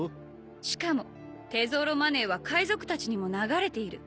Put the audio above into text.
しかもテゾーロ・マネーは海賊たちにも流れている。